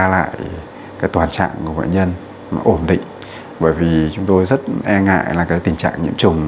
lại cái toàn trạng của bệnh nhân nó ổn định bởi vì chúng tôi rất e ngại là cái tình trạng nhiễm trùng